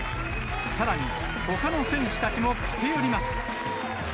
さらに、ほかの選手たちも駆け寄ります。